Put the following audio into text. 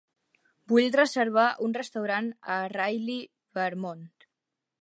Vull reservar un restaurant a Reily Vermont.